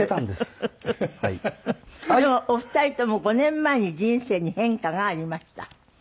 でもお二人とも５年前に人生に変化がありました。